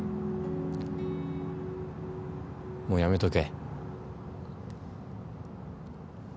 もうやめとけ。